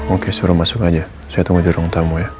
oke suruh masuk aja saya tunggu di ruang tamu ya